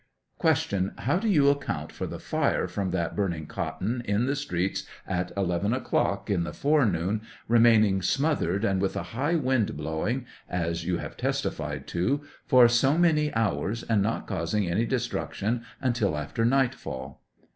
Q. How do you account for the fire from that burn ing cotton in the streets at 11 o'clock in the forenoon remaining smothered and with a high wind blowing, as 115 yoa have testified to, for so many hours and not causing any destruction until after nightfall